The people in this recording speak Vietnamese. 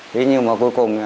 thế nhưng mà cuối cùng